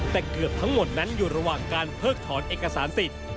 แต่เกือบทั้งหมดนั้นอยู่ระหว่างการเพิกถอนเอกสารสิทธิ์